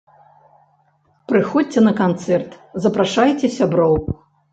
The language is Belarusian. Прыходзьце на канцэрт, запрашайце сяброў!